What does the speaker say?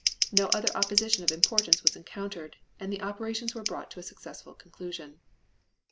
No other opposition of importance was encountered, and the operations were brought to a successful conclusion.